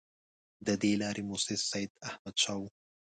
د دې لارې مؤسس سیداحمدشاه وو.